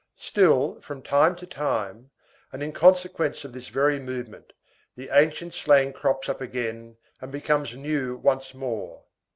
Still, from time to time, and in consequence of this very movement, the ancient slang crops up again and becomes new once more.